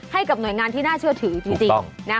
ให้กับหน่วยงานที่น่าเชื่อถือจริง